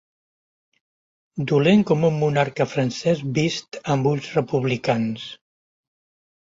Dolent com un monarca francès vist amb ulls republicans.